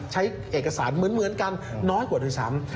ใช้เอกสารเหมือนกันน้อยกว่าด้วยซ้ำ